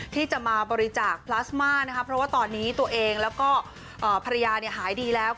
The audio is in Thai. ที่จะมาบริจาคพลาสมานะคะเพราะว่าตอนนี้ตัวเองแล้วก็ภรรยาหายดีแล้ว